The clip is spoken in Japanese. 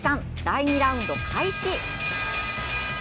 第２ラウンド開始！